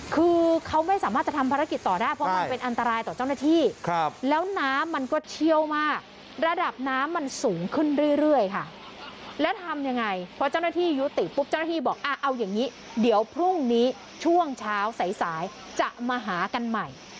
คือเขาไม่สามารถจะทำภารกิจต่อได้เพราะมันเป็นอันตรายต่อเจ้าหน้าที่แล้วน้ำมันก็เชี่ยวมากระดับน้ำมันสูงขึ้นเรื่อยค่ะแล้วทำยังไงพอเจ้าหน้าที่ยุติปุ๊บเจ้าหน้าที่บอกเอาอย่างนี้เดี๋ยวพรุ่งนี้ช่วงเช้าสายจะมาหากันใหม่